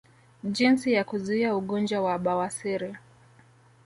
Jinsi ya kuzuia ugonjwa wa bawasiri